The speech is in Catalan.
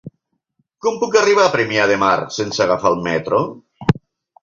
Com puc arribar a Premià de Mar sense agafar el metro?